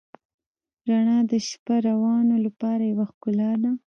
رڼا د شپهروانو لپاره یوه ښکلا ده.